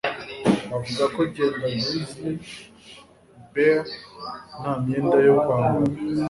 Bavuga ko genda Grizzly Bear nta myenda yo kwambara